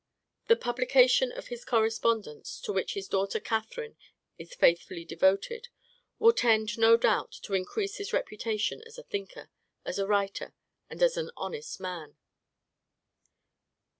The publication of his correspondence, to which his daughter Catherine is faithfully devoted, will tend, no doubt, to increase his reputation as a thinker, as a writer, and as an honest man.